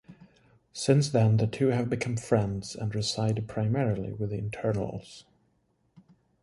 Since then the two have become friends and reside primarily with the Eternals.